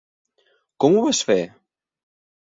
Com ho vas fer?